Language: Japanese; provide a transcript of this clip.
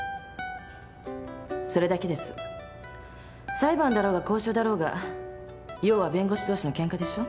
裁判だろうが交渉だろうが要は弁護士同士のケンカでしょ？